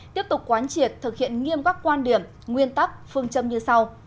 tiếp tục quán triệt thực hiện nghiêm các quan điểm nguyên tắc phương châm như sau